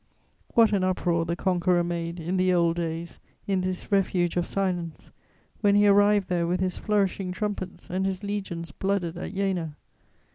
What an uproar the conqueror made, in the old days, in this refuge of silence, when he arrived there with his flourishing trumpets and his legions blooded at Jena!